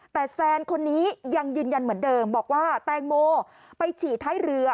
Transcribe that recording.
แต่แซนคนนี้ยังยืนยันเหมือนเดิมบอกว่าแตงโมไปฉี่ท้ายเรือ